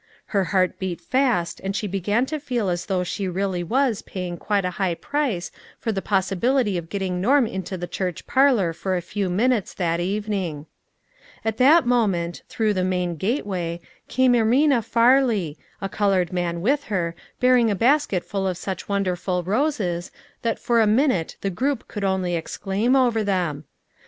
Her heart beat fast and she began to feel as though she really was paying quite a high price for the possibility of getting Norm into the church parlor for a few minutes that evening. At that moment, through the main gateway, came Ermina Farley, a colored man with her, bearing a basket full of such wonderful roses, that for a minute the group could only exclaim over them.